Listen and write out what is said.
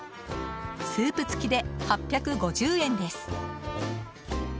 スープ付きで８５０円です。